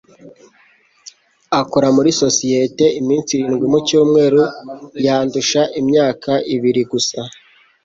Akora muri sosiyete iminsi irindwi mu cyumweru. Yandusha imyaka ibiri gusa.